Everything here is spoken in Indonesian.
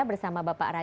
bersama bapak radio